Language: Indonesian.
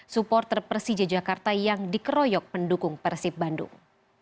supporter persija jakarta yang dikeroyok pendukung persib bandung